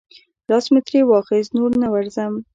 لاس مې ترې واخیست، نور نه ورځم.